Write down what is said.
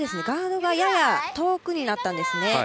ガードがやや遠くになったんですね。